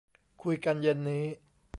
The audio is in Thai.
คุยกันเย็นนี้